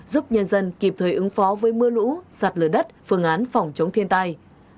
giúp nhân dân kịp thời ứng phó với mưa lũ sạt lở đất phương án phòng chống thiên tai